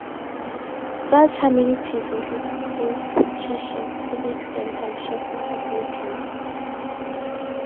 Such amenities include schools, churches, civic centre and shopping facilities.